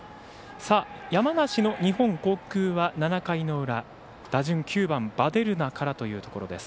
山梨の日本航空は７回の裏打順９番、ヴァデルナからというところです。